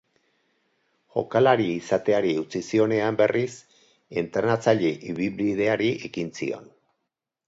Jokalari izateari utzi zionean, berriz, entrenatzaile ibilbideari ekin zion.